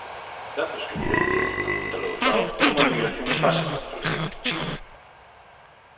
Datos que evidencian, apunta Louzao, como a emigración pasa factura.